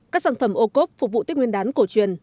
các sản phẩm ô cốt phục vụ tết nguyên đán cổ truyền